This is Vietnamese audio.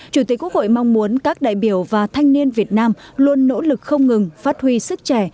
chủ tịch quốc hội mong muốn các đại biểu và thanh niên việt nam luôn nỗ lực không ngừng phát huy sức trẻ